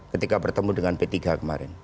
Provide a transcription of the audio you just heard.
ketika bertemu dengan p tiga kemarin